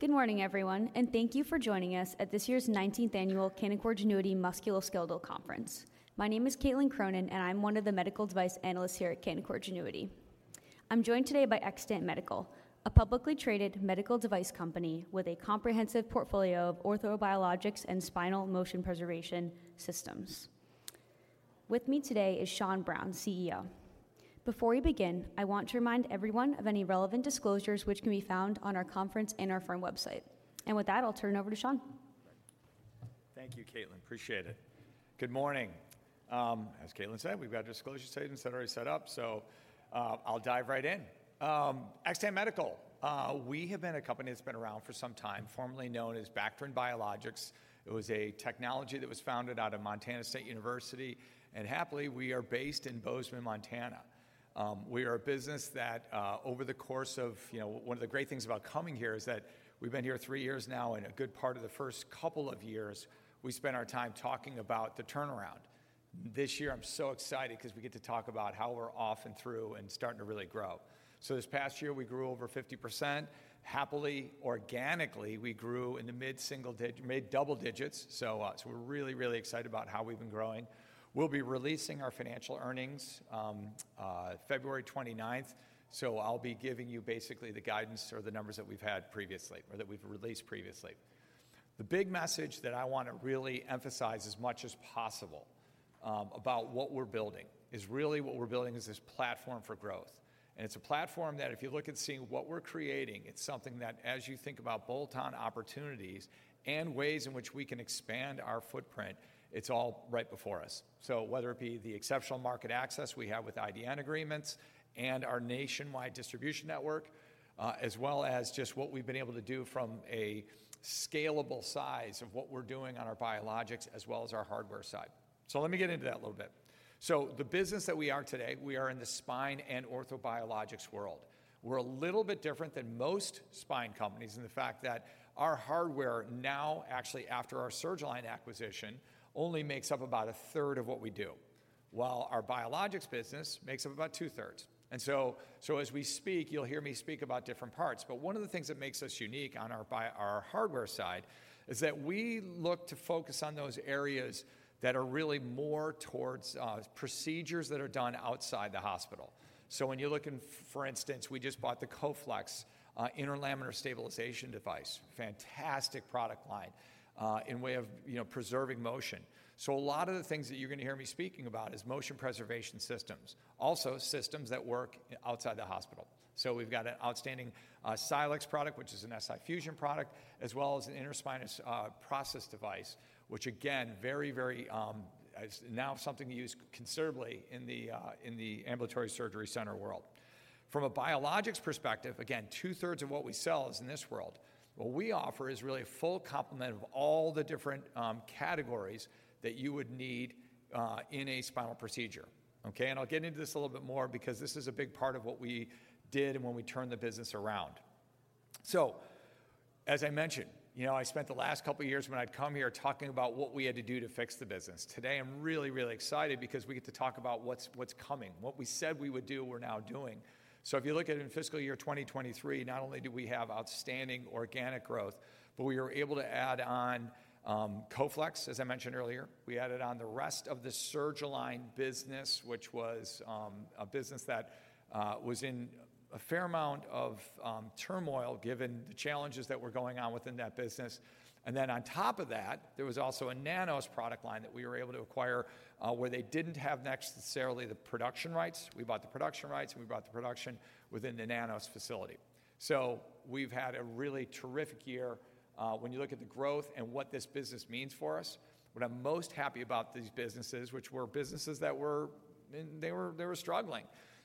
Good morning, everyone, and thank you for joining us at this year's 19th annual Canaccord Genuity Musculoskeletal Conference. My name is Caitlin Cronin, and I'm one of the medical device analysts here at Canaccord Genuity. I'm joined today by Xtant Medical, a publicly traded medical device company with a comprehensive portfolio of orthobiologics and spinal motion preservation systems. With me today is Sean Browne, CEO. Before we begin, I want to remind everyone of any relevant disclosures which can be found on our conference and our firm website. With that, I'll turn it over to Sean. Thank you, Caitlin. Appreciate it. Good morning. As Caitlin said, we've got disclosure statements that are already set up, so I'll dive right in. Xtant Medical, we have been a company that's been around for some time, formerly known as Bacterin Biologics. It was a technology that was founded out of Montana State University, and happily we are based in Bozeman, Montana. We are a business that, over the course of, you know, one of the great things about coming here is that we've been here three years now, and a good part of the first couple of years we spent our time talking about the turnaround. This year I'm so excited because we get to talk about how we're off and through and starting to really grow. So this past year we grew over 50%. Happily, organically we grew in the mid-single digit, mid-double digits, so we're really, really excited about how we've been growing. We'll be releasing our financial earnings February 29th, so I'll be giving you basically the guidance or the numbers that we've had previously, or that we've released previously. The big message that I want to really emphasize as much as possible about what we're building is really what we're building is this platform for growth. It's a platform that if you look at seeing what we're creating, it's something that, as you think about bolt-on opportunities and ways in which we can expand our footprint, it's all right before us. So whether it be the exceptional market access we have with IDN agreements and our nationwide distribution network, as well as just what we've been able to do from a scalable size of what we're doing on our biologics as well as our hardware side. So let me get into that a little bit. So the business that we are today, we are in the spine and orthobiologics world. We're a little bit different than most spine companies in the fact that our hardware now, actually after our Surgalign acquisition, only makes up about a third of what we do, while our biologics business makes up about two-thirds. As we speak, you'll hear me speak about different parts, but one of the things that makes us unique on our hardware side is that we look to focus on those areas that are really more towards procedures that are done outside the hospital. So when you're looking, for instance, we just bought the Coflex interlaminar stabilization device, fantastic product line in way of, you know, preserving motion. So a lot of the things that you're going to hear me speaking about is motion preservation systems, also systems that work outside the hospital. So we've got an outstanding Silex product, which is an SI fusion product, as well as an interspinous process device, which again, very, very is now something used considerably in the ambulatory surgery center world. From a biologics perspective, again, two-thirds of what we sell is in this world. What we offer is really a full complement of all the different categories that you would need in a spinal procedure. Okay. I'll get into this a little bit more because this is a big part of what we did and when we turned the business around. As I mentioned, you know, I spent the last couple of years when I'd come here talking about what we had to do to fix the business. Today I'm really, really excited because we get to talk about what's coming, what we said we would do, we're now doing. So if you look at in fiscal year 2023, not only do we have outstanding organic growth, but we were able to add on Coflex, as I mentioned earlier, we added on the rest of the Surgalign business, which was a business that was in a fair amount of turmoil given the challenges that were going on within that business. And then on top of that, there was also a Nanoss product line that we were able to acquire where they didn't have necessarily the production rights. We bought the production rights and we bought the production within the Nanoss facility. So we've had a really terrific year when you look at the growth and what this business means for us. What I'm most happy about these businesses, which were businesses that were, they were struggling,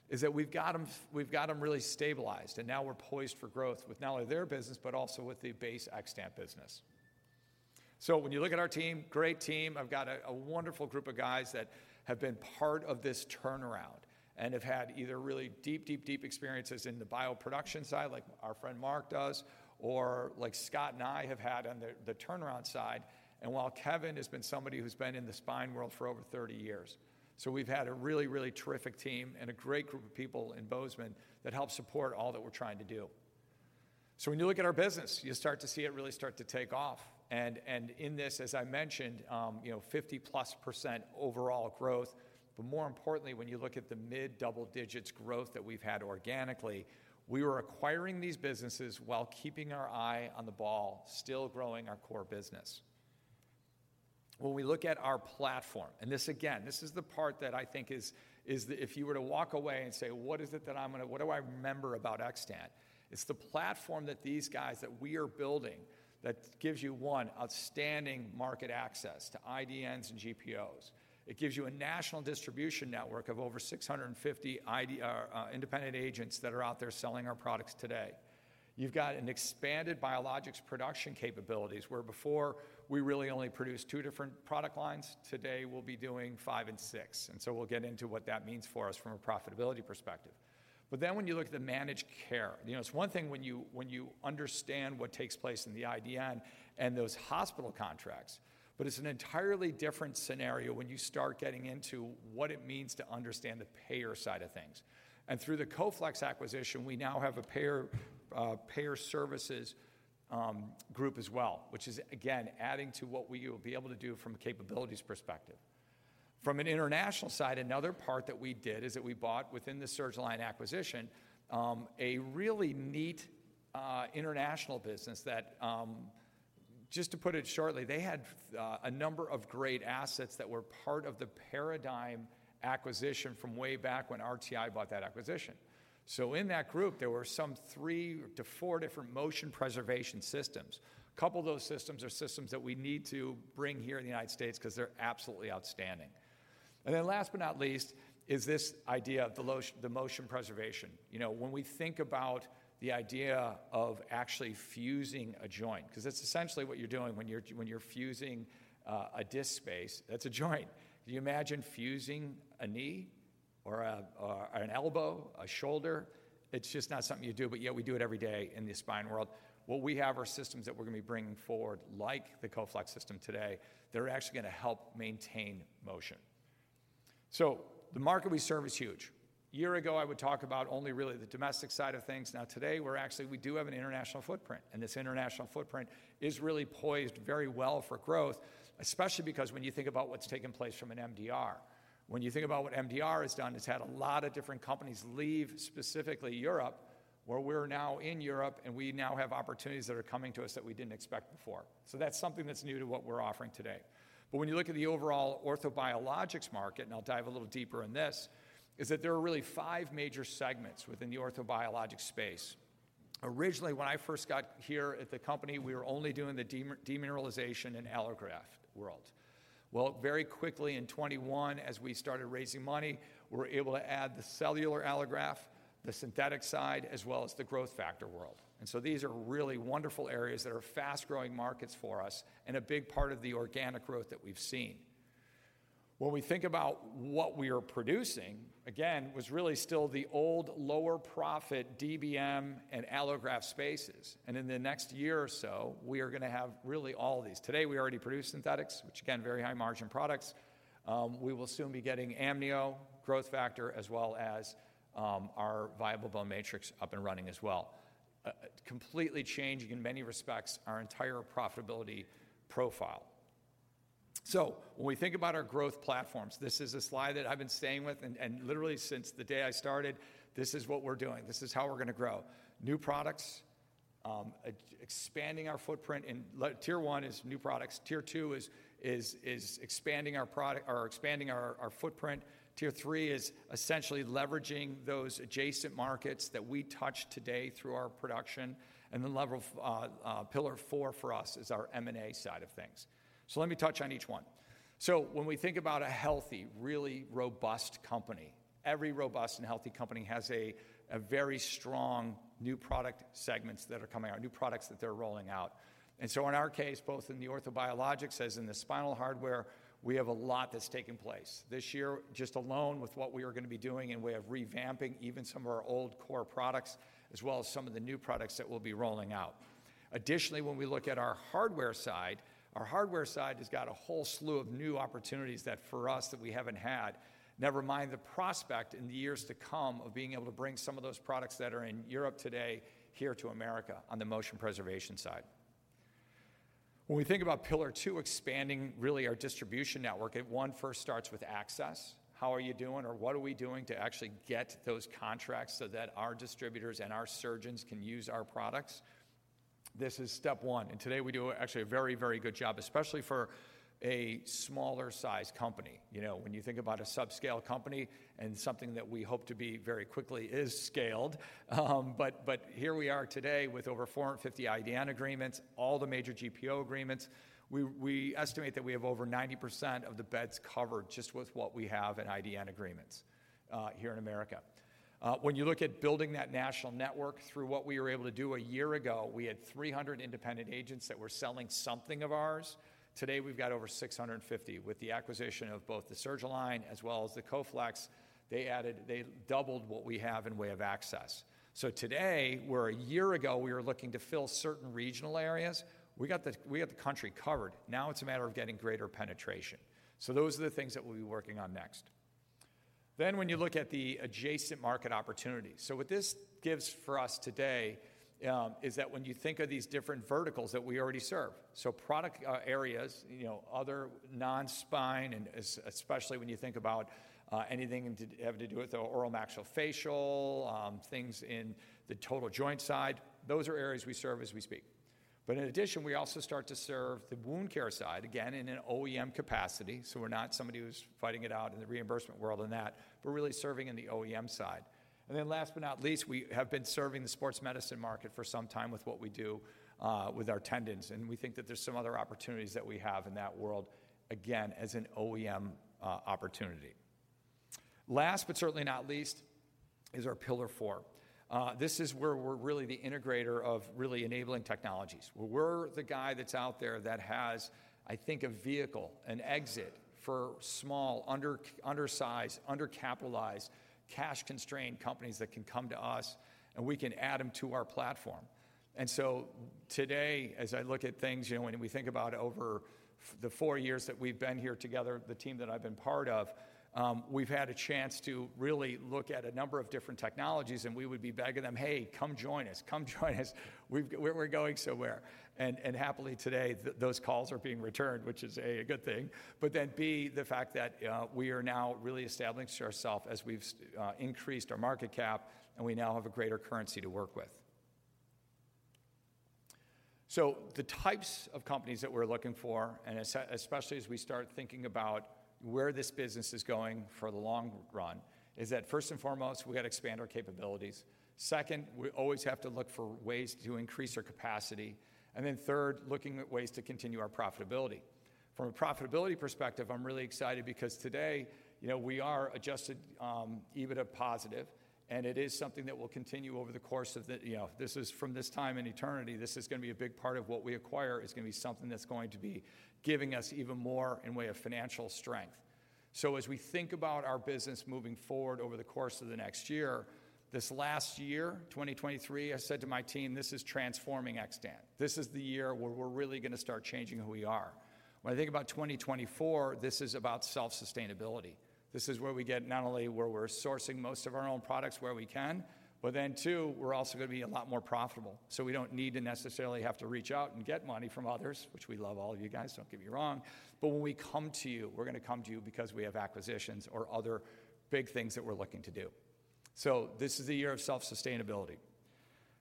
is that we've got them, we've got them really stabilized and now we're poised for growth with not only their business but also with the base Xtant business. So when you look at our team, great team. I've got a wonderful group of guys that have been part of this turnaround and have had either really deep, deep, deep experiences in the bioproduction side like our friend Mark does or like Scott and I have had on the turnaround side. And while Kevin has been somebody who's been in the spine world for over 30 years, so we've had a really, really terrific team and a great group of people in Bozeman that help support all that we're trying to do. So when you look at our business, you start to see it really start to take off. And in this, as I mentioned, you know, 50%+ overall growth. But more importantly, when you look at the mid-double digits growth that we've had organically, we were acquiring these businesses while keeping our eye on the ball, still growing our core business. When we look at our platform, and this again, this is the part that I think is, is if you were to walk away and say, what is it that I'm going to, what do I remember about Xtant? It's the platform that these guys that we are building that gives you, one, outstanding market access to IDNs and GPOs. It gives you a national distribution network of over 650 independent agents that are out there selling our products today. You've got an expanded biologics production capabilities where before we really only produced two different product lines, today we'll be doing five and six. And so we'll get into what that means for us from a profitability perspective. But then when you look at the managed care, you know, it's one thing when you understand what takes place in the IDN and those hospital contracts, but it's an entirely different scenario when you start getting into what it means to understand the payer side of things. And through the Coflex acquisition, we now have a payer services group as well, which is again adding to what we will be able to do from a capabilities perspective. From an international side, another part that we did is that we bought within the Surgalign acquisition a really neat international business that, just to put it shortly, they had a number of great assets that were part of the Paradigm acquisition from way back when RTI bought that acquisition. So in that group, there were some three to four different motion preservation systems. A couple of those systems are systems that we need to bring here in the United States because they're absolutely outstanding. And then last but not least is this idea of the motion preservation. You know, when we think about the idea of actually fusing a joint, because that's essentially what you're doing when you're fusing a disc space, that's a joint. Can you imagine fusing a knee or an elbow, a shoulder? It's just not something you do, but yet we do it every day in the spine world. What we have are systems that we're going to be bringing forward like the Coflex system today. They're actually going to help maintain motion. So the market we serve is huge. A year ago, I would talk about only really the domestic side of things. Now today we're actually, we do have an international footprint, and this international footprint is really poised very well for growth, especially because when you think about what's taken place from an MDR, when you think about what MDR has done, it's had a lot of different companies leave specifically Europe where we're now in Europe and we now have opportunities that are coming to us that we didn't expect before. So that's something that's new to what we're offering today. But when you look at the overall orthobiologics market, and I'll dive a little deeper in this, is that there are really five major segments within the orthobiologics space. Originally, when I first got here at the company, we were only doing the demineralization and allograft world. Well, very quickly in 2021, as we started raising money, we were able to add the cellular allograft, the synthetic side, as well as the growth factor world. And so these are really wonderful areas that are fast-growing markets for us and a big part of the organic growth that we've seen. When we think about what we are producing, again, was really still the old lower profit DBM and allograft spaces. And in the next year or so, we are going to have really all of these. Today we already produce synthetics, which again, very high margin products. We will soon be getting amnio growth factor as well as our viable bone matrix up and running as well, completely changing in many respects our entire profitability profile. So when we think about our growth platforms, this is a slide that I've been staying with and literally since the day I started, this is what we're doing. This is how we're going to grow new products, expanding our footprint in tier one is new products. Tier two is expanding our product, expanding our footprint. Tier three is essentially leveraging those adjacent markets that we touched today through our production. And the level of pillar four for us is our M&A side of things. So let me touch on each one. So when we think about a healthy, really robust company, every robust and healthy company has a very strong new product segments that are coming out, new products that they're rolling out. In our case, both in the orthobiologics as in the spinal hardware, we have a lot that's taken place this year just alone with what we are going to be doing in way of revamping even some of our old core products as well as some of the new products that will be rolling out. Additionally, when we look at our hardware side, our hardware side has got a whole slew of new opportunities that for us that we haven't had, never mind the prospect in the years to come of being able to bring some of those products that are in Europe today here to America on the Motion Preservation side. When we think about pillar two, expanding really our distribution network, it one first starts with access. How are you doing or what are we doing to actually get those contracts so that our distributors and our surgeons can use our products? This is step one. Today we do actually a very, very good job, especially for a smaller size company. You know, when you think about a subscale company and something that we hope to be very quickly is scaled. But here we are today with over 450 IDN agreements, all the major GPO agreements. We estimate that we have over 90% of the beds covered just with what we have in IDN agreements here in America. When you look at building that national network through what we were able to do a year ago, we had 300 independent agents that were selling something of ours. Today we've got over 650 with the acquisition of both the Surgalign as well as the Coflex. They added, they doubled what we have in way of access. So today, where a year ago we were looking to fill certain regional areas, we got the country covered. Now it's a matter of getting greater penetration. So those are the things that we'll be working on next. Then when you look at the adjacent market opportunities, so what this gives for us today is that when you think of these different verticals that we already serve, so product areas, you know, other non-spine, and especially when you think about anything to have to do with the oral maxillofacial, things in the total joint side, those are areas we serve as we speak. But in addition, we also start to serve the wound care side again in an OEM capacity. So we're not somebody who's fighting it out in the reimbursement world in that, but really serving in the OEM side. And then last but not least, we have been serving the sports medicine market for some time with what we do with our tendons. And we think that there's some other opportunities that we have in that world again as an OEM opportunity. Last but certainly not least is our pillar four. This is where we're really the integrator of really enabling technologies. We're the guy that's out there that has, I think, a vehicle, an exit for small, undersized, undercapitalized, cash-constrained companies that can come to us and we can add them to our platform. And so today, as I look at things, you know, when we think about over the four years that we've been here together, the team that I've been part of, we've had a chance to really look at a number of different technologies. And we would be begging them, hey, come join us, come join us. We're going somewhere. And happily today, those calls are being returned, which is a good thing. But then B, the fact that we are now really establishing ourselves as we've increased our market cap and we now have a greater currency to work with. So the types of companies that we're looking for, and especially as we start thinking about where this business is going for the long run, is that first and foremost, we got to expand our capabilities. Second, we always have to look for ways to increase our capacity. And then third, looking at ways to continue our profitability. From a profitability perspective, I'm really excited because today, you know, we are adjusted EBITDA positive, and it is something that will continue over the course of the, you know, this is from this time in eternity. This is going to be a big part of what we acquire is going to be something that's going to be giving us even more in way of financial strength. So as we think about our business moving forward over the course of the next year, this last year, 2023, I said to my team, this is transforming Xtant. This is the year where we're really going to start changing who we are. When I think about 2024, this is about self-sustainability. This is where we get not only where we're sourcing most of our own products where we can, but then two, we're also going to be a lot more profitable. So we don't need to necessarily have to reach out and get money from others, which we love. All of you guys, don't get me wrong. But when we come to you, we're going to come to you because we have acquisitions or other big things that we're looking to do. So this is the year of self-sustainability.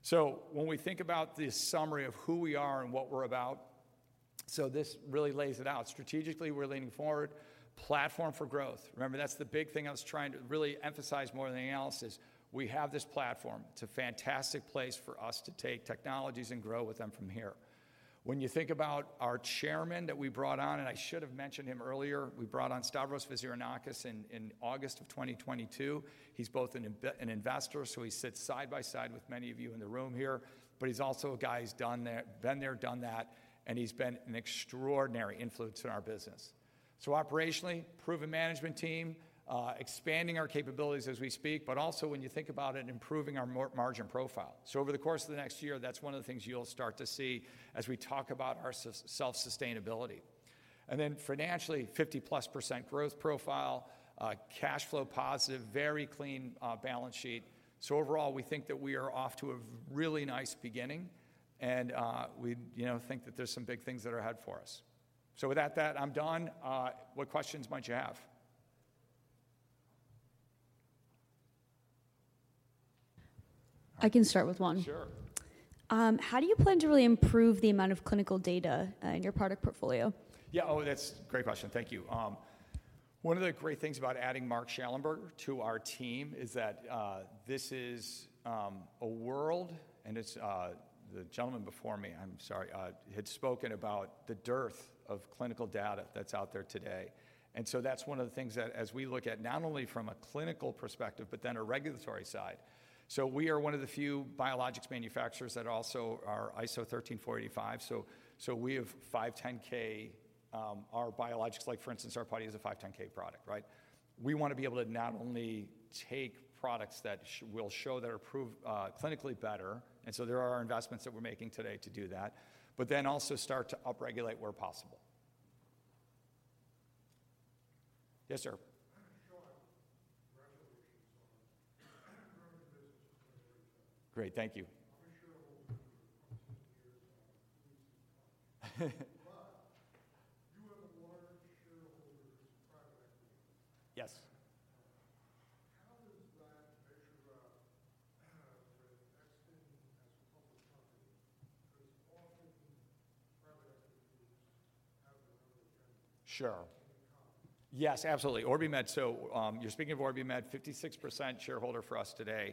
So when we think about the summary of who we are and what we're about, so this really lays it out. Strategically, we're leaning forward platform for growth. Remember, that's the big thing I was trying to really emphasize more than the analysis. We have this platform. It's a fantastic place for us to take technologies and grow with them from here. When you think about our chairman that we brought on, and I should have mentioned him earlier, we brought on Stavros Vizirgianakis in August of 2022. He's both an investor, so he sits side by side with many of you in the room here, but he's also a guy who's been there, done that, and he's been an extraordinary influence in our business. So operationally, proven management team, expanding our capabilities as we speak, but also when you think about it, improving our margin profile. So over the course of the next year, that's one of the things you'll start to see as we talk about our self-sustainability. And then financially, 50%+ growth profile, cash flow positive, very clean balance sheet. So overall, we think that we are off to a really nice beginning, and we, you know, think that there's some big things that are ahead for us. So with that, I'm done. What questions might you have? I can start with one. Sure. How do you plan to really improve the amount of clinical data in your product portfolio? Yeah. Oh, that's a great question. Thank you. One of the great things about adding Mark Shallenberger to our team is that this is a world, and it's the gentleman before me, I'm sorry, had spoken about the dearth of clinical data that's out there today. And so that's one of the things that as we look at not only from a clinical perspective, but then a regulatory side. So we are one of the few biologics manufacturers that also are ISO 13485. So we have 510(k), our biologics, like for instance, our putty is a 510(k) product, right? We want to be able to not only take products that will show that are proved clinically better. So there are investments that we're making today to do that, but then also start to upregulate where possible. Yes, sir. I'm Sean. Congratulations on growing your business. Just wanted to reach out. Great. Thank you. I'm a shareholder for over 20 years, two weeks since the cut. But you have a large shareholder group's private equity. Yes. How does that measure up with Xtant as a public company? Because often private equity groups have their own agenda. Sure. Yes, absolutely. OrbiMed. So you're speaking of OrbiMed, 56% shareholder for us today.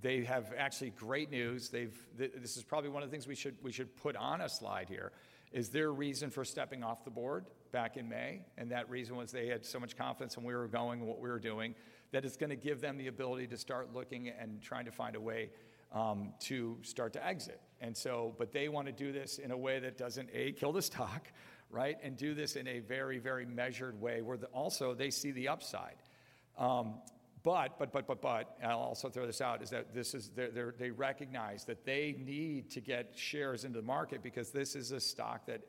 They have actually great news. This is probably one of the things we should put on a slide here. Is there a reason for stepping off the board back in May? And that reason was they had so much confidence in what we were going and what we were doing that it's going to give them the ability to start looking and trying to find a way to start to exit. And so, but they want to do this in a way that doesn't, A, kill the stock, right? And do this in a very, very measured way where also they see the upside. But, but, but, but, but I'll also throw this out is that this is they recognize that they need to get shares into the market because this is a stock that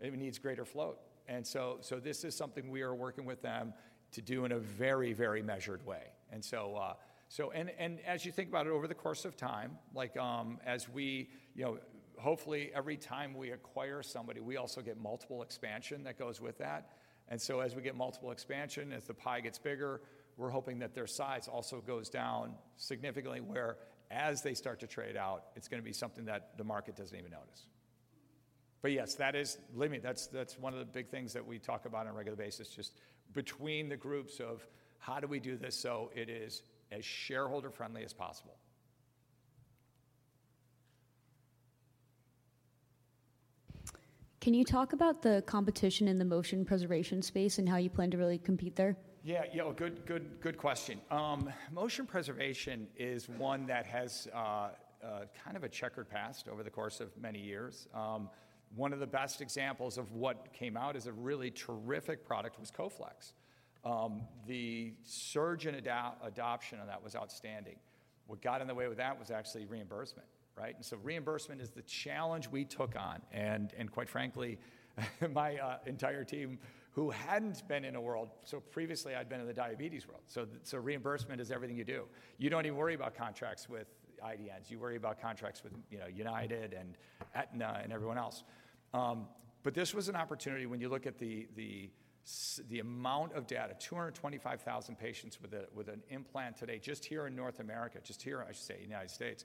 needs greater float. And so this is something we are working with them to do in a very, very measured way. And so, as you think about it over the course of time, like as we, you know, hopefully every time we acquire somebody, we also get multiple expansion that goes with that. And so as we get multiple expansion, as the pie gets bigger, we're hoping that their size also goes down significantly whereas they start to trade out, it's going to be something that the market doesn't even notice. But yes, that is, let me, that's one of the big things that we talk about on a regular basis, just between the groups of how do we do this so it is as shareholder-friendly as possible? Can you talk about the competition in the motion preservation space and how you plan to really compete there? Yeah. Yeah. Good, good, good question. Motion preservation is one that has kind of a checkered past over the course of many years. One of the best examples of what came out as a really terrific product was Coflex. The surge in adoption of that was outstanding. What got in the way with that was actually reimbursement, right? And so reimbursement is the challenge we took on. And quite frankly, my entire team who hadn't been in a world, so previously I'd been in the diabetes world. So reimbursement is everything you do. You don't even worry about contracts with IDNs. You worry about contracts with, you know, United and Aetna and everyone else. But this was an opportunity when you look at the amount of data, 225,000 patients with an implant today, just here in North America, just here, I should say, in the United States,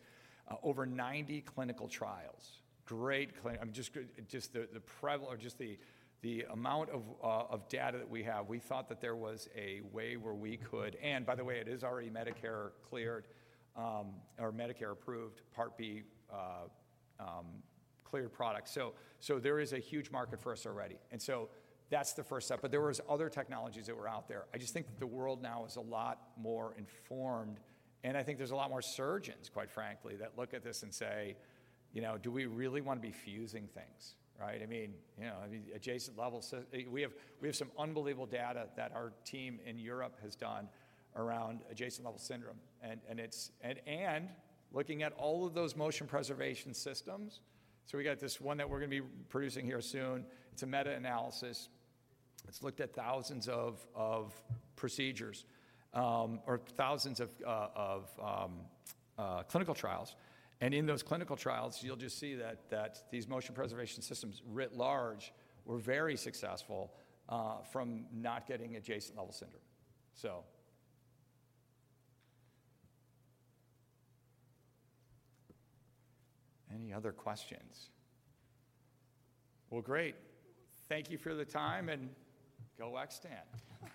over 90 clinical trials, great clinical, I mean, just the prevalence or just the amount of data that we have. We thought that there was a way where we could, and by the way, it is already Medicare cleared or Medicare approved Part B cleared product. So there is a huge market for us already. And so that's the first step. But there were other technologies that were out there. I just think that the world now is a lot more informed, and I think there's a lot more surgeons, quite frankly, that look at this and say, you know, do we really want to be fusing things, right? I mean, you know, adjacent levels, we have some unbelievable data that our team in Europe has done around adjacent level syndrome. Looking at all of those motion preservation systems, so we got this one that we're going to be producing here soon. It's a meta-analysis. It's looked at thousands of procedures or thousands of clinical trials. In those clinical trials, you'll just see that these motion preservation systems writ large were very successful from not getting adjacent level syndrome. So. Any other questions? Well, great. Thank you for the time and go Xtant.